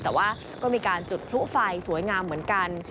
แต่ว่าก็มีการจุดพลุไฟสวยงามเหมือนกัน